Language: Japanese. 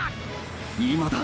「今」だ！！